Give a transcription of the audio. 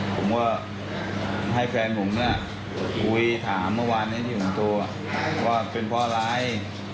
ผมว่าให้แฟนผมเนี่ยคุยถามเมื่อวานของตัวว่าเป็นพ่อไร